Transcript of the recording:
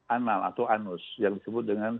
anal atau anus yang disebut dengan